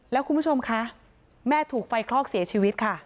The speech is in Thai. แล้วคุณผู้ชมคะแม่ถูกไฟคลอกเสียชีวิตค่ะ